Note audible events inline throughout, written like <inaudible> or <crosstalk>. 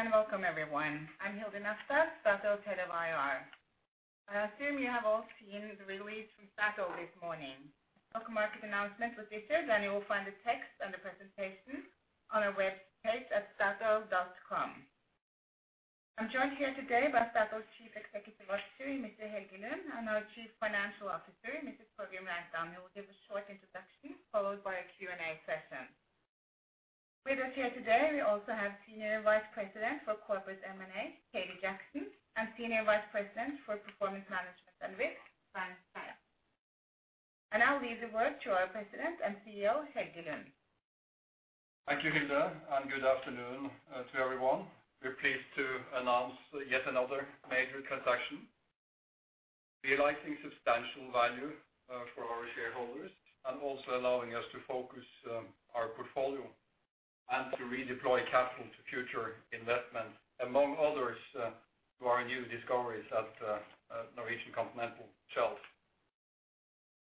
Good afternoon and welcome everyone. I'm Hilde Møllerstad, Head of IR, Statoil. I assume you have all seen the release from Statoil this morning. A welcome market announcement was issued, and you will find the text and the presentation on our website at statoil.com. I'm joined here today by Statoil's Chief Executive Officer, Mr. Helge Lund, and our Chief Financial Officer, Torgrim Reitan. They will give a short introduction followed by a Q&A session. With us here today, we also have Senior Vice President for Corporate M&A, Per Arne Solend, and Senior Vice President for Performance Management and Risk, Hans Jakob Hegge. I'll leave the word to our President and CEO, Helge Lund. Thank you, Hilde, and good afternoon, to everyone. We're pleased to announce yet another major transaction. Realizing substantial value, for our shareholders and also allowing us to focus, our portfolio and to redeploy capital to future investments, among others, to our new discoveries at, Norwegian Continental Shelf.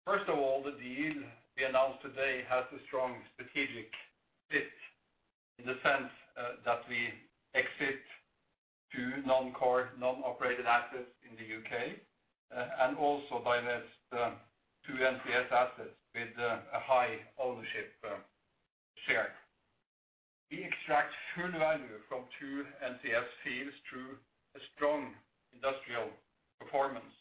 First of all, the deal we announced today has a strong strategic fit in the sense, that we exit two non-core, non-operated assets in the U.K., and also divest, two NCS assets with, a high ownership, share. We extract full value from two NCS fields through a strong industrial performance.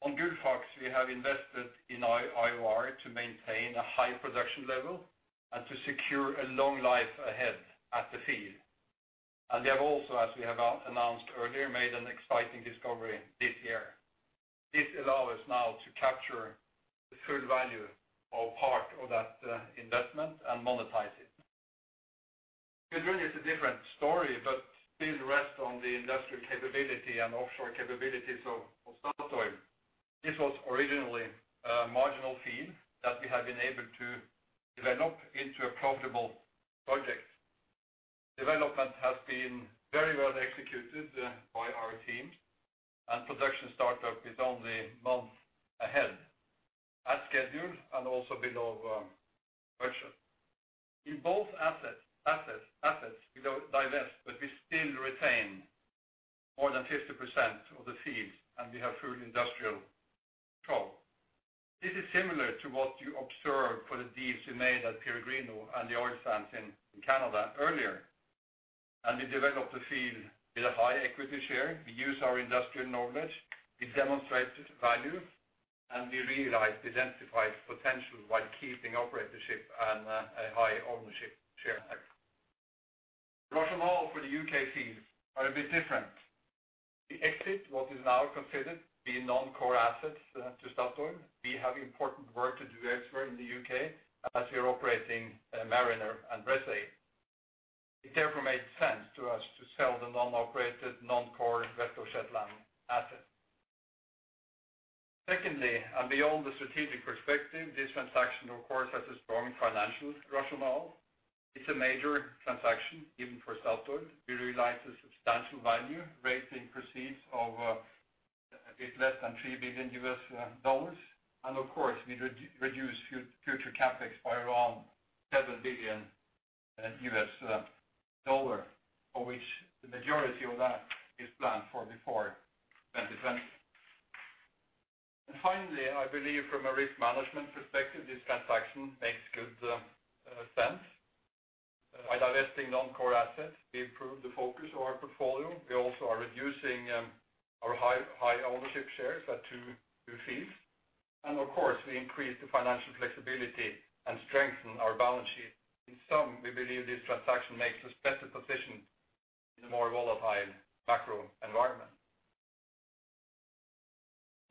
On Gullfaks, we have invested in IOR to maintain a high production level and to secure a long life ahead at the field. We have also, as we have announced earlier, made an exciting discovery this year. This allow us now to capture the full value of part of that investment and monetize it. Gudrun is a different story, but still rests on the industrial capability and offshore capabilities of Statoil. This was originally a marginal field that we have been able to develop into a profitable project. Development has been very well executed by our team, and production startup is only months ahead, as scheduled and also below budget. In both assets we don't divest, but we still retain more than 50% of the fields, and we have full industrial control. This is similar to what you observed for the deals we made at Peregrino and the oil sands in Canada earlier. We developed the field with a high equity share. We use our industrial knowledge. We demonstrated value, and we realized the identified potential while keeping operatorship and a high ownership share. Rationale for the U.K. fields are a bit different. We exit what is now considered the non-core assets to Statoil. We have important work to do elsewhere in the U.K. as we are operating Mariner and Brae. It therefore made sense to us to sell the non-operated, non-core West of Shetland assets. Secondly, and beyond the strategic perspective, this transaction of course has a strong financial rationale. It's a major transaction, even for Statoil. We realize the substantial value raising proceeds of a bit less than $3 billion. We reduce future CapEx by around $7 billion, of which the majority of that is planned for before 2020. Finally, I believe from a risk management perspective, this transaction makes good sense. By divesting non-core assets, we improve the focus of our portfolio. We also are reducing our high ownership shares at two fields. Of course, we increase the financial flexibility and strengthen our balance sheet. In sum, we believe this transaction makes us better positioned in a more volatile macro environment.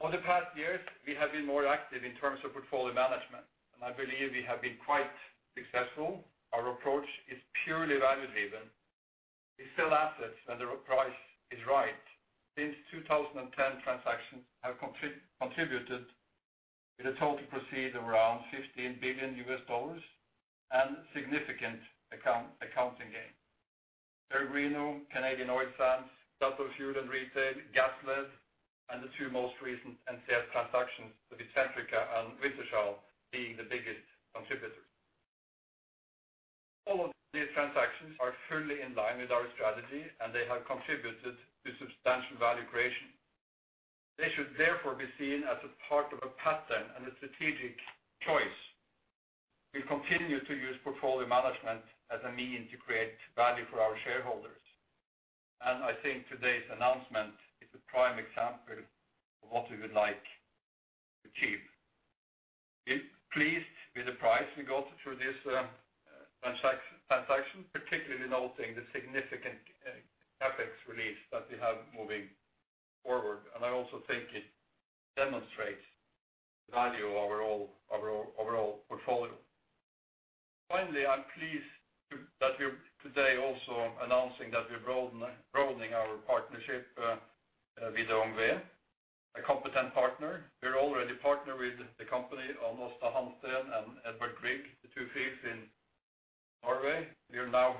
Over the past years, we have been more active in terms of portfolio management, and I believe we have been quite successful. Our approach is purely value-driven. We sell assets when the right price is right. Since 2010, transactions have contributed with a total proceeds of around $15 billion and significant accounting gain. Peregrino, Canadian Oil Sands, Statoil Fuel & Retail, Gassled, and the two most recent NCS transactions with Centrica and Wintershall being the biggest contributors. All of these transactions are fully in line with our strategy, and they have contributed to substantial value creation. They should therefore be seen as a part of a pattern and a strategic choice. We continue to use portfolio management as a means to create value for our shareholders. I think today's announcement is a prime example of what we would like to achieve. We're pleased with the price we got through this transaction, particularly noting the significant CapEx release that we have moving forward. I also think it demonstrates the value of our overall portfolio. Finally, I'm pleased that we're today also announcing that we're broadening our partnership with OMV, a competent partner. We're already partners with the company on Aasta Hansteen and Edvard Grieg, the two fields in Norway. We are now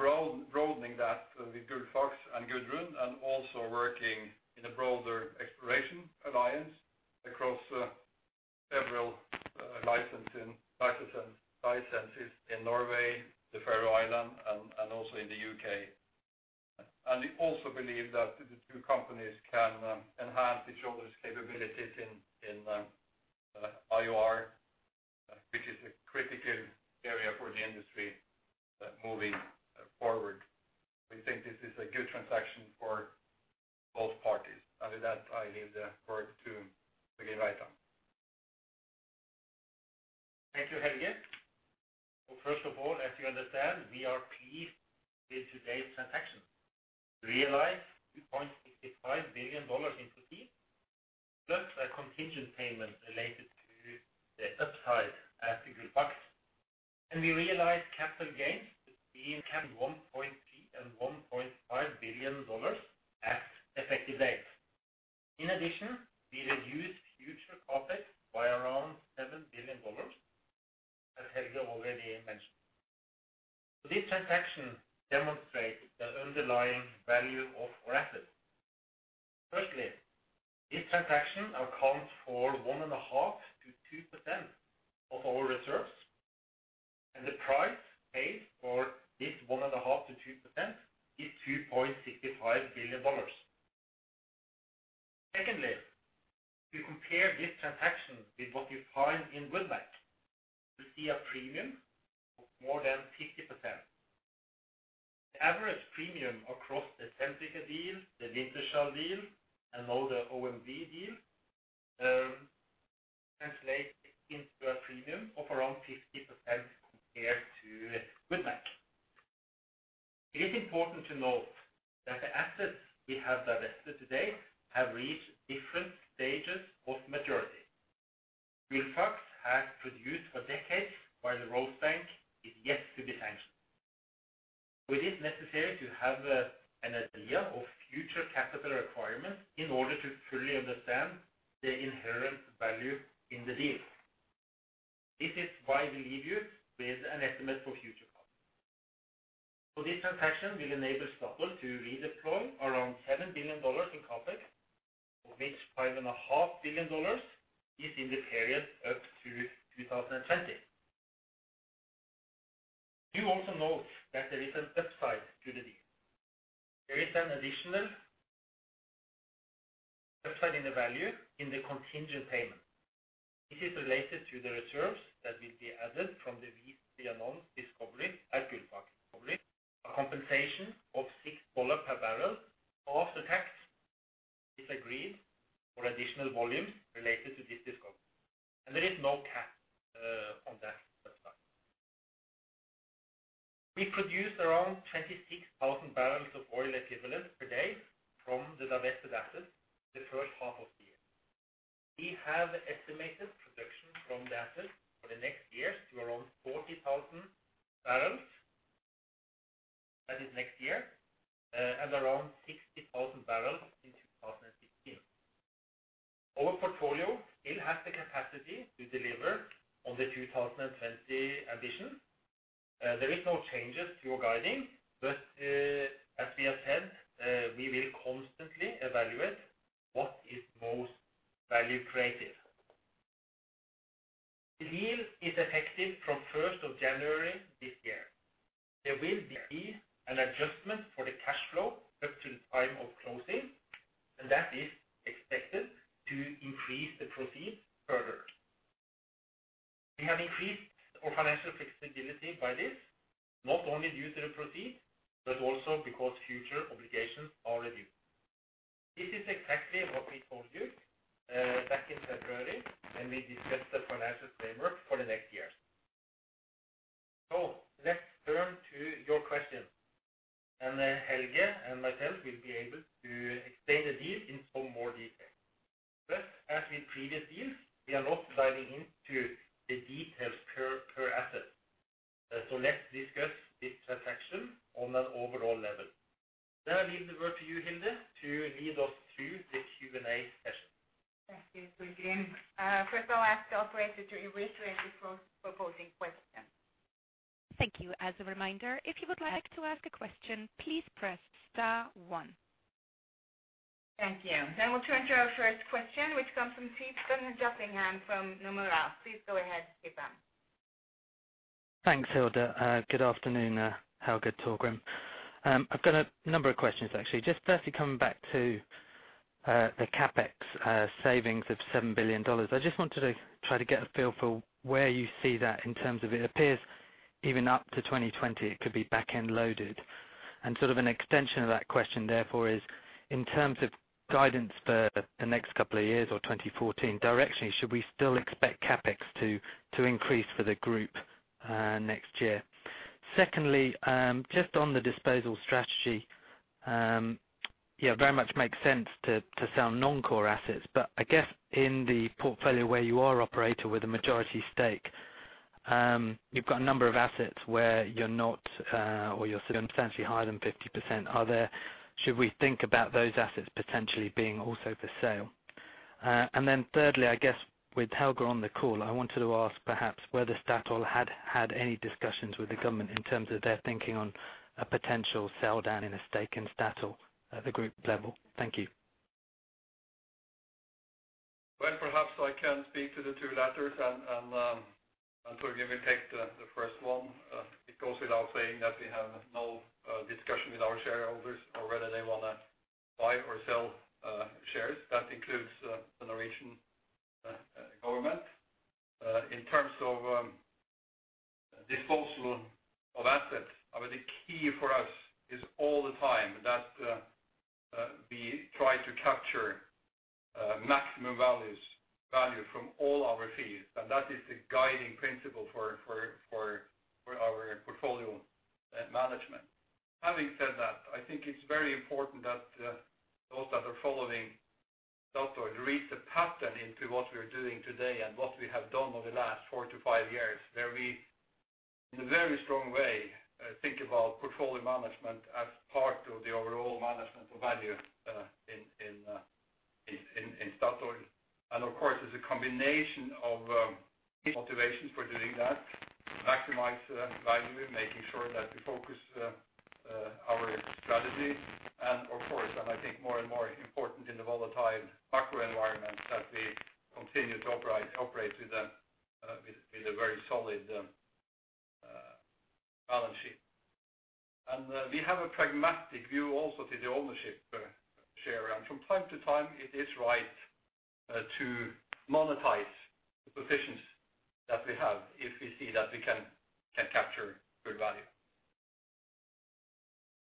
broadening that with Gullfaks and Gudrun and also working in a broader exploration alliance across. Several licenses in Norway, the Faroe Islands, and also in the U.K. We also believe that the two companies can enhance each other's capabilities in IOR, which is a critical area for the industry moving forward. We think this is a good transaction for both parties. With that, I leave the word to Torgrim Reitan. Thank you, Helge. First of all, as you understand, we are pleased with today's transaction. We realize $2.65 billion in proceeds, plus a contingent payment related to the upside at Gullfaks. We realized capital gains between $1.3 billion-$1.5 billion at effective date. In addition, we reduced future CapEx by around $7 billion, as Helge already mentioned. This transaction demonstrates the underlying value of our assets. Firstly, this transaction accounts for 1.5%-2% of our reserves, and the price paid for this 1.5%-2% is $2.65 billion. Secondly, to compare this transaction with what you find in Woodmac, you see a premium of more than 50%. The average premium across the Centrica deal, the Wintershall deal, and now the OMV deal translates into a premium of around 50% compared to Woodmac. It is important to note that the assets we have divested today have reached different stages of maturity. Gullfaks has produced for decades while the Rosebank is yet to be sanctioned. It is necessary to have an idea of future capital requirements in order to fully understand the inherent value in the deal. This is why we leave you with an estimate for future costs. This transaction will enable Statoil to redeploy around $7 billion in CapEx, of which $5.5 billion is in the period up to 2020. You also note that there is an upside to the deal. There is an additional upside in the value in the contingent payment. This is related to the reserves that will be added from the W3-A discovery at Gullfaks. Probably a compensation of $6 per barrel of the tax is agreed for additional volumes related to this discovery. There is no cap on that upside. We produced around 26,000 barrels of oil equivalent per day from the divested assets the first half of the year. We have estimated production from the assets for the next year to around 40,000 barrels. That is next year, and around 60,000 barrels in 2015. Our portfolio still has the capacity to deliver on the 2020 ambition. There is no changes to our guiding, Thank you. As a reminder, if you would like to ask a question, please press star one. Thank you. We'll turn to our first question, which comes from Theepan Jothilingam from Nomura. Please go ahead, Steve. Thanks, Hilde. Good afternoon, Helge, Torgrim. I've got a number of questions, actually. Just firstly, coming back to the CapEx savings of $7 billion. I just wanted to try to get a feel for where you see that in terms of it appears even up to 2020, it could be back-end loaded. Sort of an extension of that question, therefore, is in terms of guidance for the next couple of years or 2014 directly, should we still expect CapEx to increase for the group next year? Secondly, just on the disposal strategy, yeah, very much makes sense to sell non-core assets. I guess in the portfolio where you are operator with a majority stake, you've got a number of assets where you're not or you're substantially higher than 50%. Should we think about those assets potentially being also for sale? Then thirdly, I guess with Helge on the call, I wanted to ask perhaps whether Statoil had had any discussions with the government in terms of their thinking on a potential sell-down in a stake in Statoil at the group level. Thank you. Perhaps I can speak to the two letters and Torgrim will take the first one. It goes without saying that we have no discussion with our shareholders or whether they wanna buy or sell shares. That includes the Norwegian government. In terms of disposal of assets, I mean, the key for us is all the time that we try to capture maximum value from all our fields. That is the guiding principle for our portfolio management. Having said that, I think it's very important that those that are following Statoil read the pattern into what we are doing today and what we have done over the last four to five years, where we in a very strong way think about portfolio management as part of the overall management of value in Statoil. Of course, there's a combination of key motivations for doing that. Maximize value, making sure that we focus our strategy. Of course, I think more and more important in the volatile macro environment, that we continue to operate with a very solid balance sheet. We have a pragmatic view also to the ownership share. From time to time, it is right to monetize the positions that we have if we see that we can capture good value.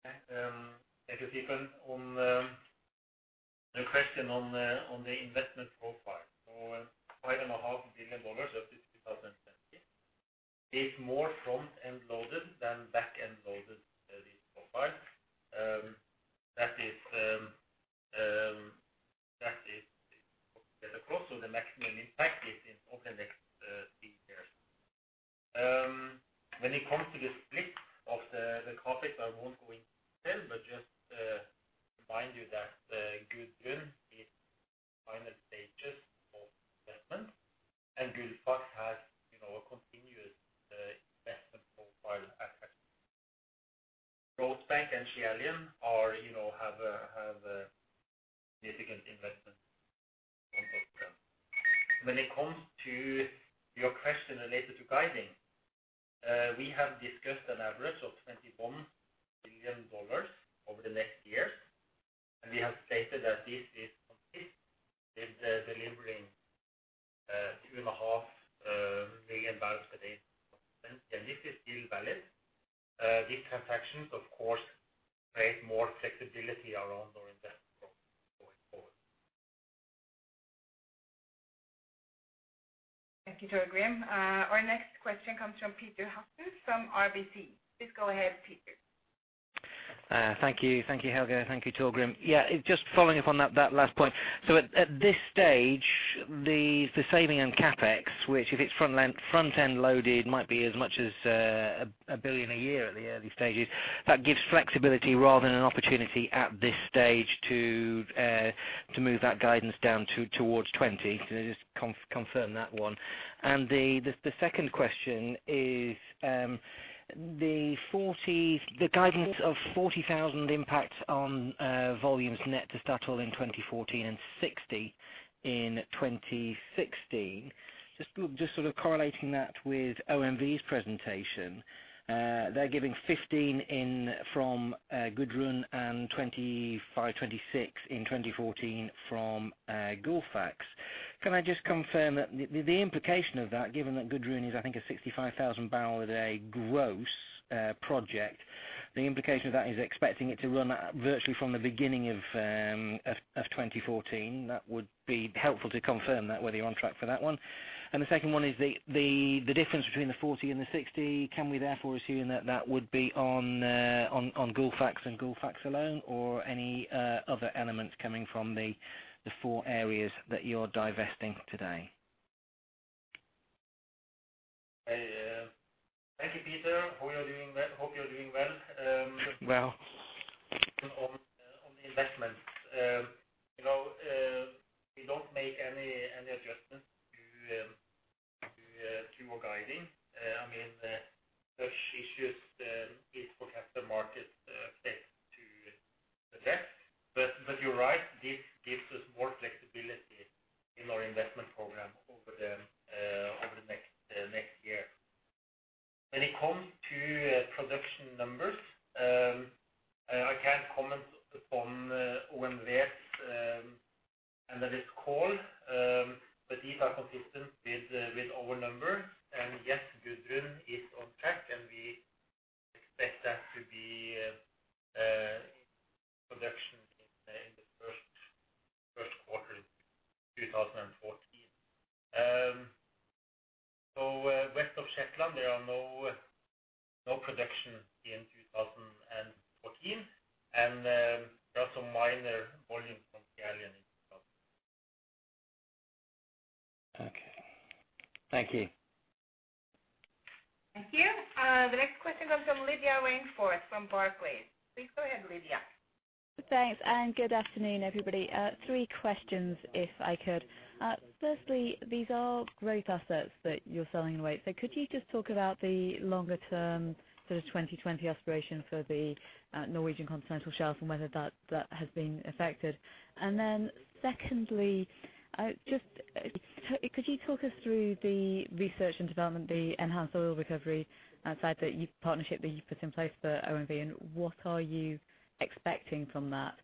Okay. Thank you, Theepan Jothilingam. On the question on the investment profile. $5.5 billion of this 2020 is more front-end loaded than back-end loaded, this profile. That is better cash. The maximum impact is over the next three years. When it comes to the split of the CapEx, I won't go into detail, but just remind you that Gudrun is final stages of investment, and Gullfaks has, you know, a continuous investment profile asset. Rosebank and Schiehallion, you know, have a significant investment in both of them. When it comes to your question related to guidance, we have discussed an average of $21 billion over the next years. We have stated that this is complete with delivering 2.5 million barrels per day from then. This is still valid. These transactions, of course, create more flexibility around our investment going forward. Thank you, Torgrim. Our next question comes from Peter Hutton from RBC. Please go ahead, Peter. Thank you. Thank you, Helge. Thank you, Torgrim. Just following up on that last point. At this stage, the saving and CapEx, which if it's front-end loaded, might be as much as $1 billion a year at the early stages. That gives flexibility rather than an opportunity at this stage to move that guidance down towards 20. Can you just confirm that one? The second question is the guidance of 40,000 impact on volumes net to Statoil in 2014 and 60,000 in 2016. Just sort of correlating that with OMV's presentation. They're giving 15 m from Gudrun and 25 m, 26 m in 2014 from Gullfaks. Can I just confirm that the implication of that, given that Gudrun is, I think, a 65,000 barrel a day gross project. The implication of that is expecting it to run virtually from the beginning of 2014. That would be helpful to confirm that, whether you're on track for that one. The second one is the difference between the 40 and the 60. Can we therefore assume that that would be on Gullfaks and Gullfaks alone or any other elements coming from the four areas that you're divesting today? Hey, thank you, Peter. Hope you're doing well. Well. On the investments. You know, we don't make any adjustments to our guidance. I mean, such issues is for capital markets to detect. You're right, this gives us more flexibility in our investment program over the next year. When it comes to production numbers, I can't comment upon OMV's on this call, but these are consistent with our numbers. Yes, Gudrun is on track, and we expect that to be in production in the first quarter 2014. West of Shetland, there are no production in 2014. There are some minor volumes from Aasta Hansteen in 2014. Okay. Thank you. Thank you. Welcome from Lydia Rainforth from Barclays. Please go ahead, Lydia. Thanks, good afternoon, everybody. Three questions if I could. Firstly, these are great assets that you're selling away. Could you just talk about the longer-term sort of 2020 aspiration for the Norwegian Continental Shelf and whether that has been affected? Then secondly, could you talk us through the research and development, the enhanced oil recovery outside the partnership that you've put in place for OMV, and what are you expecting from that?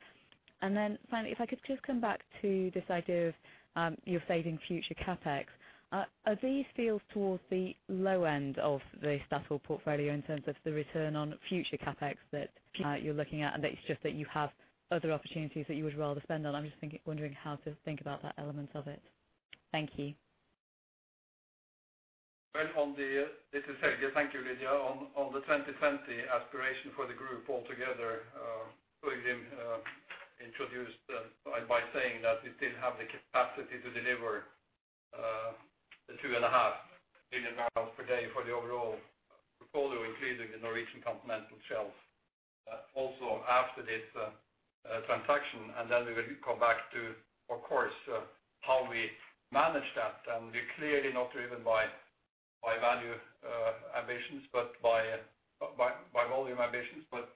Then finally, if I could just come back to this idea of you're saving future CapEx. Are these fields towards the low end of the Statoil portfolio in terms of the return on future CapEx that you're looking at, and it's just that you have other opportunities that you would rather spend on? I'm just wondering how to think about that element of it. Thank you. Well, this is Helge Lund. Thank you, Lydia Rainforth. On the 2020 aspiration for the group altogether, Torgrim Reitan introduced by saying that we still have the capacity to deliver the 2.5 billion barrels per day for the overall portfolio, including the Norwegian Continental Shelf, also after this transaction. Then we will come back to, of course, how we manage that. We're clearly not driven by value ambitions, but by volume ambitions, but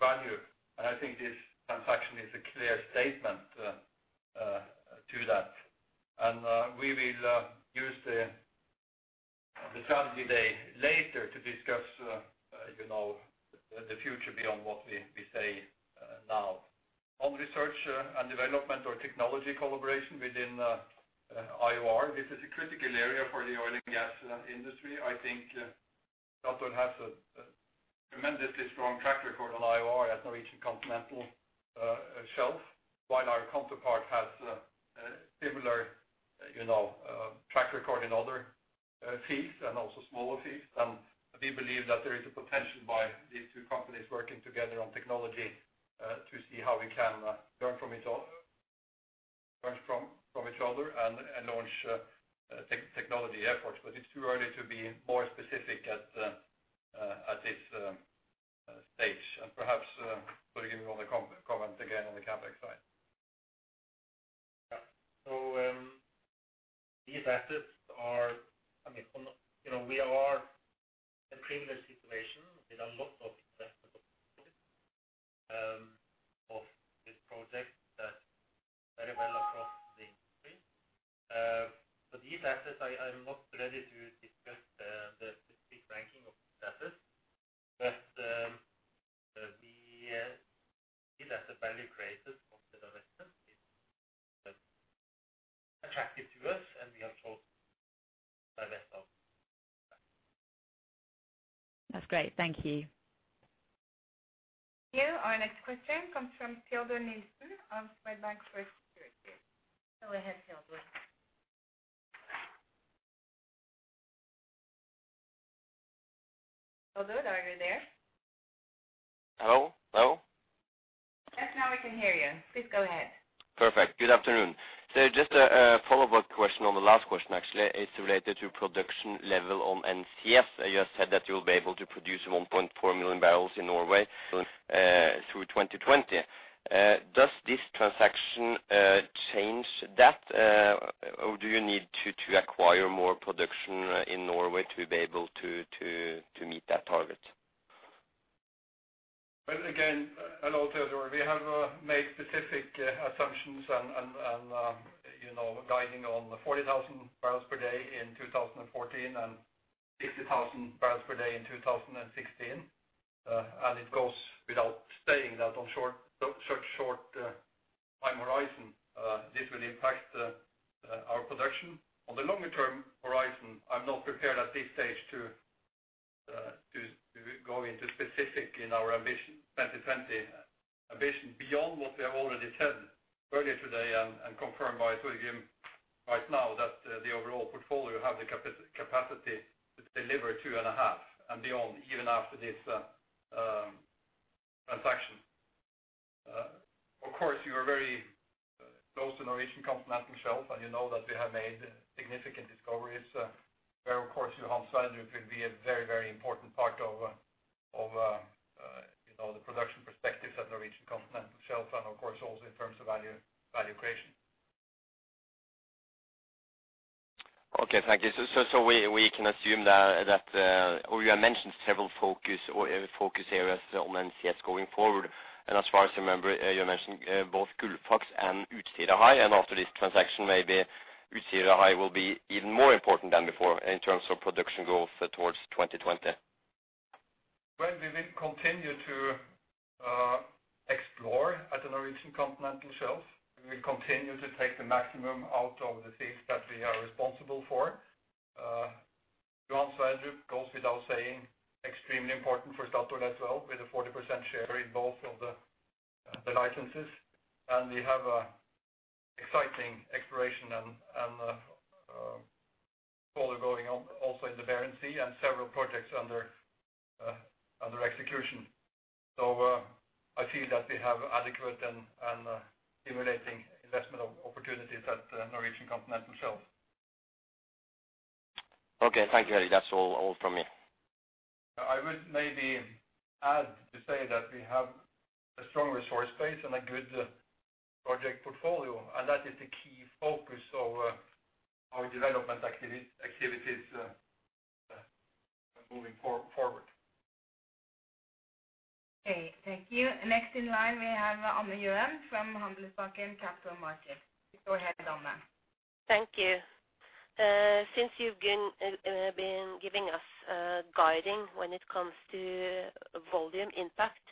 value. I think this transaction is a clear statement to that. We will use the strategy day later to discuss, you know, the future beyond what we say now. On research and development or technology collaboration within IOR, this is a critical area for the oil and gas industry. I think Statoil has a tremendously strong track record on IOR at Norwegian Continental Shelf, while our counterpart has a similar, you know, track record in other fields and also smaller fields. We believe that there is a potential by these two companies working together on technology to see how we can learn from each other and launch technology efforts. It's too early to be more specific at this stage. Perhaps Torgrim, you want to comment again on the CapEx side. These assets are, I mean, from the, you know, we are in previous situation with a lot of investment of this project that very well across the industry. For these assets, I'm not ready to discuss the specific ranking of these assets. These asset value creators from the investors is attractive to us, and we are told by ourselves. That's great. Thank you. Here, our next question comes from Teodor Sveen-Nilsen of Swedbank Research. Go ahead, Teodor. Teodor, are you there? Hello? Hello? Yes, now we can hear you. Please go ahead. Perfect. Good afternoon. Just a follow-up question on the last question actually. It's related to production level on NCS. You have said that you'll be able to produce 1.4 million barrels in Norway through 2020. Does this transaction change that, or do you need to acquire more production in Norway to be able to meet that target? Well, again, hello, Teodor Sveen-Nilsen. We have made specific assumptions and, you know, guiding on 40,000 barrels per day in 2014 and 50,000 barrels per day in 2016. It goes without saying that on such short time horizon, this will impact our production. On the longer-term horizon, I'm not prepared at this stage to go into specific in our ambition, 2020 ambition, beyond what we have already said earlier today and confirmed by Torgrim Reitan right now that the overall portfolio have the capacity to deliver 2.5 and beyond even after this transaction. Of course, you are very close to Norwegian Continental Shelf, and you know that we have made significant discoveries, where of course, Johan Sverdrup will be a very, very important part of, you know, the production perspective at Norwegian Continental Shelf and of course also in terms of value creation. Okay. Thank you. We can assume that or you have mentioned several focus areas on NCS going forward. As far as I remember, you mentioned both Gullfaks and Utsira High. After this transaction, maybe Utsira High will be even more important than before in terms of production growth towards 2020. Well, we will continue to explore at the Norwegian Continental Shelf. We will continue to take the maximum out of the fields that we are responsible for. Johan Sverdrup goes without saying extremely important for Statoil as well with a 40% share in both of the licenses. We have an exciting exploration and further going on also in the Barents Sea and several projects under execution. I feel that we have adequate and stimulating investment of opportunities at the Norwegian Continental Shelf. Okay. Thank you, Helge Lund. That's all from me. I would maybe add to say that we have a strong resource base and a good project portfolio, and that is the key focus of our development activities moving forward. Okay, thank you. Next in line, we have Ann Gjøen from Handelsbanken Capital Markets. Go ahead, Anne. Thank you. Since you've been giving us guiding when it comes to volume impact,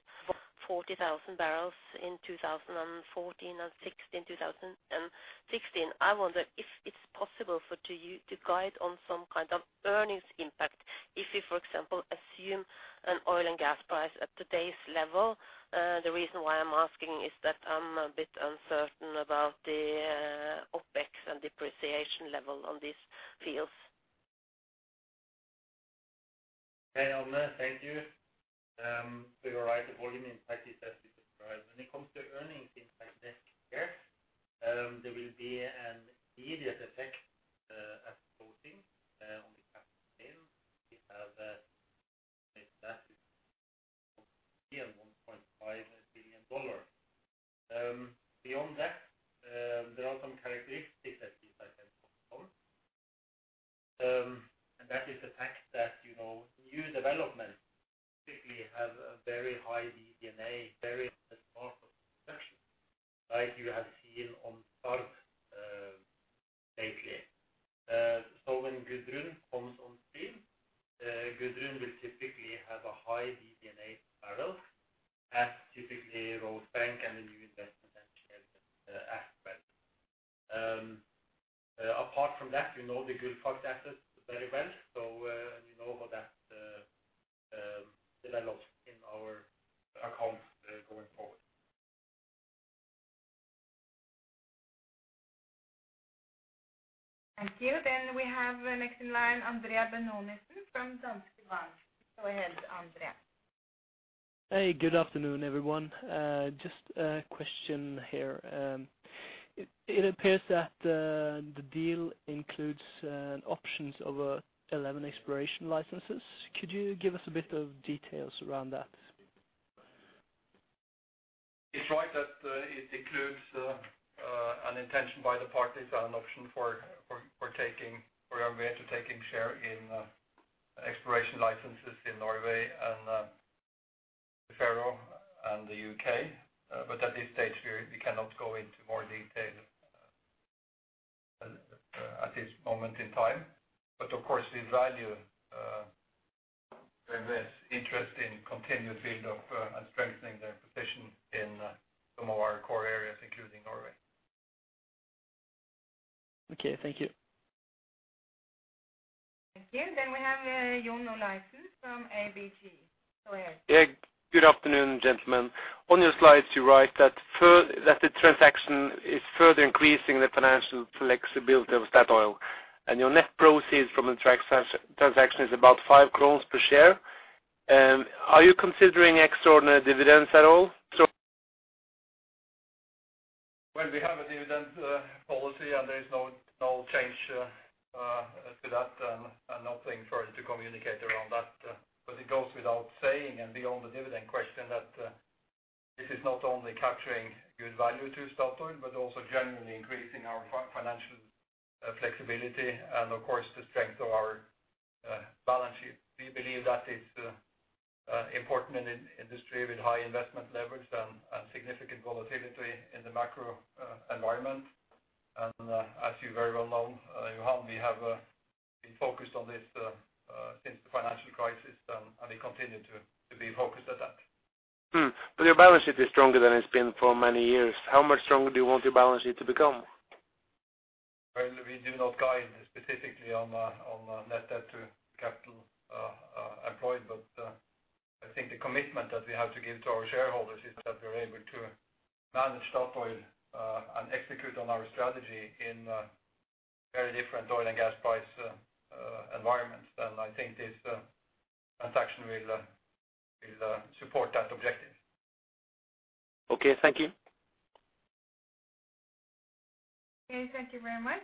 40,000 barrels in 2014 and 2016. I wonder if it's possible for to you to guide on some kind of earnings impact if you, for example, assume an oil and gas price at today's level. The reason why I'm asking is that I'm a bit uncertain about the OpEx and depreciation level on these fields. Hey, Ann. Thank you. You're right, the volume impact is as you described. When it comes to earnings impact next year, there will be an immediate effect approaching $1.5 billion on the capital. Beyond that, there are some characteristics that this item control. That is the fact that, you know, new developments typically have a very high DD&A, very small section like you have seen on SARB lately. When Gudrun comes on stream, Gudrun will typically have a high DD&A per barrel as typically Rosebank and the new investment aspect. Apart from that, we know the Gullfaks assets very well. You know how that develops in our accounts going forward. Thank you. We have next in line, Andrea Bønnesengen from Danske Bank. Go ahead, Andrea. Hey, good afternoon, everyone. Just a question here. It appears that the deal includes options over 11 exploration licenses. Could you give us a bit of details around that? It's right that it includes an intention by the parties and an option for taking or acquiring share in exploration licenses in Norway and the Faroe Islands and the U.K. At this stage, we cannot go into more detail at this moment in time. Of course, we value this interest in continued build-up and strengthening their position in some of our core areas, including Norway. Okay, thank you. Thank you. We have John A. Schj. Olaisen from ABG. Go ahead. Good afternoon, gentlemen. On your slides, you write that the transaction is further increasing the financial flexibility of Statoil, and your net proceeds from the transaction is about 5 per share. Are you considering extraordinary dividends at all? Well, we have a dividend policy, and there is no change to that, and nothing for us to communicate around that. But it goes without saying and beyond the dividend question that this is not only capturing good value to Statoil but also generally increasing our financial flexibility and of course, the strength of our balance sheet. We believe that it's important in industry with high investment levels and significant volatility in the macro environment. As you very well know, Jon, we have been focused on this since the financial crisis, and we continue to be focused at that. Your balance sheet is stronger than it's been for many years. How much stronger do you want your balance sheet to become? Well, we do not guide specifically on net debt to capital employed. I think the commitment that we have to give to our shareholders is that we're able to manage Statoil and execute on our strategy in very different oil and gas price environments. I think this transaction will support that objective. Okay, thank you. Okay, thank you very much.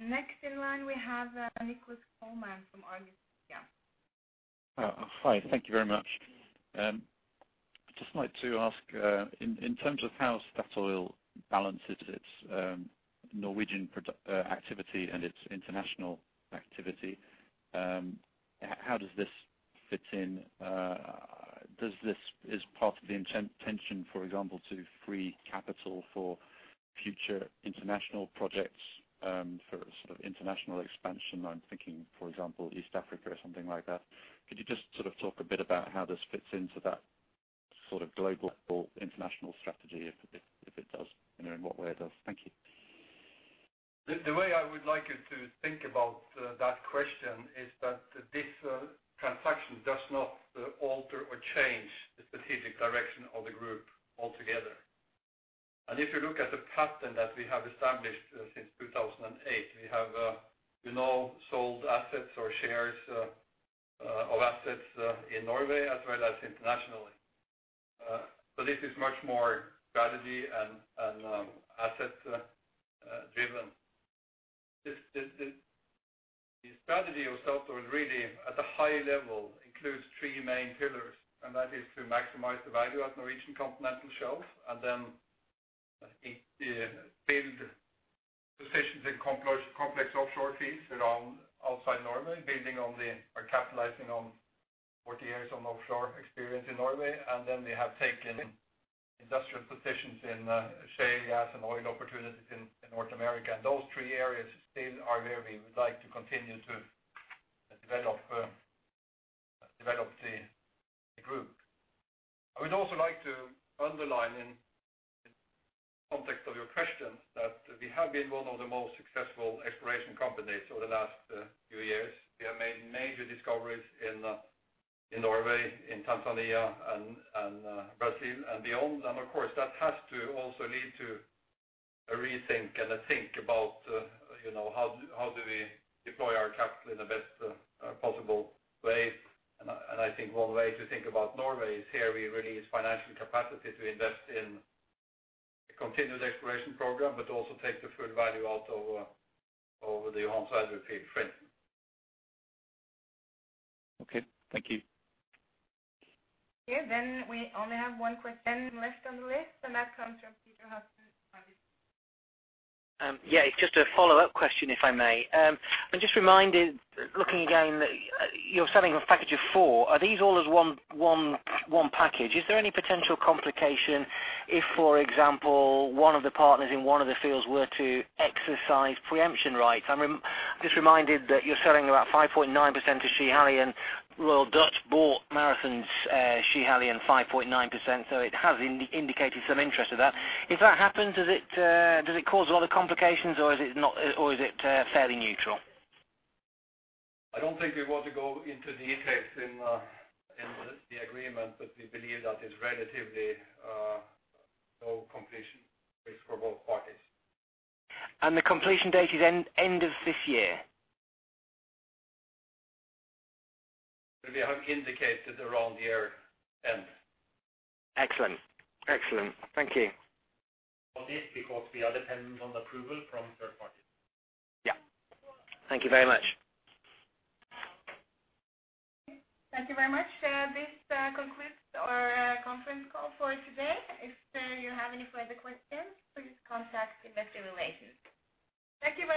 Next in line, we have Nicholas Coleman from Argus Media. Hi. Thank you very much. Just like to ask, in terms of how Statoil balances its Norwegian activity and its international activity, how does this fit in? Is this part of the intention, for example, to free capital for future international projects, for sort of international expansion? I'm thinking, for example, East Africa or something like that. Could you just sort of talk a bit about how this fits into that sort of global or international strategy if it does? In what way it does? Thank you. The way I would like you to think about that question is that this transaction does not alter or change the strategic direction of the group altogether. If you look at the pattern that we have established since 2008, we have, you know, sold assets or shares of assets in Norway as well as internationally. This is much more strategy and asset driven. The strategy of Statoil really at a high level includes three main pillars, and that is to maximize the value of Norwegian continental shelves and then build positions in complex offshore fields around outside Norway, building on the or capitalizing on 40 years on offshore experience in Norway. Then we have taken industrial positions in shale gas and oil opportunities in North America. Those three areas still are where we would like to continue to develop the group. I would also like to underline in the context of your question that we have been one of the most successful exploration companies over the last few years. We have made major discoveries in Norway, in Tanzania, and Brazil and beyond. Of course, that has to also lead to a rethink about, you know, how do we deploy our capital in the best possible way. I think one way to think about Norway is here we release financial capacity to invest in a continued exploration program, but also take the full value out of the upside with field strength. Okay. Thank you. Okay. We only have one question left on the list, and that comes from Peter. <audio distortion> Yeah, it's just a follow-up question, if I may. I'm just reminded, looking again, that you're selling a package of four. Are these all as one package? Is there any potential complication if, for example, one of the partners in one of the fields were to exercise preemption rights? I'm just reminded that you're selling about 5.9% to Schiehallion. Royal Dutch Shell bought Marathon's Schiehallion 5.9%, so it has indicated some interest to that. If that happens, does it cause a lot of complications or is it fairly neutral? I don't think we want to go into details in the agreement, but we believe that is relatively no completion risk for both parties. The completion date is end of this year? We have indicated around the year end. Excellent. Thank you. For this because we are dependent on approval from third parties. Yeah. Thank you very much. Thank you very much. This concludes our conference call for today. If you have any further questions, please contact Investor Relations. Thank you very much.